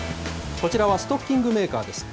こちらはストッキングメーカーです。